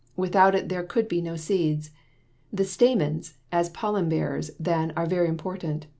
Without it there could be no seeds. The stamens as pollen bearers, then, are very important.